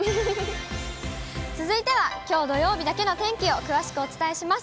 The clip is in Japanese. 続いてはきょう土曜日だけの天気を詳しくお伝えします。